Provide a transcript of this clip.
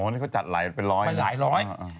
นี่ก็จัดไหลไปร้อย